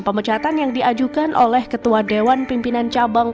pemecatan yang diajukan oleh ketua dewan pimpinan cabang